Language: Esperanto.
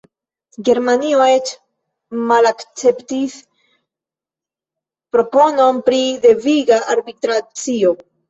Germanio eĉ malakceptis proponon pri deviga arbitracio.